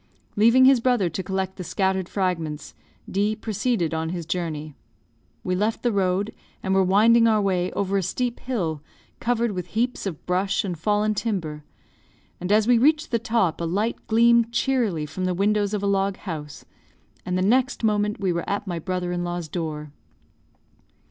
Leaving his brother to collect the scattered fragments, D proceeded on his journey. We left the road, and were winding our way over a steep hill, covered with heaps of brush and fallen timber, and as we reached the top, a light gleamed cheerily from the windows of a log house, and the next moment we were at my brother in law's door.